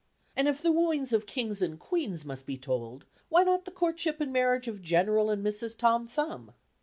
And if the wooings of kings and queens must be told, why not the courtship and marriage of General and Mrs. Tom Thumb?